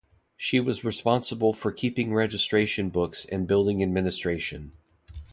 She was responsible for keeping registration books and building administration.